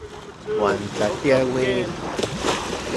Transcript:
¿Uan tla tiauij...?